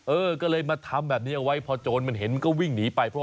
เออก็เลยมาทำแบบนี้เอาไว้พอโจรมันเห็นมันก็วิ่งหนีไป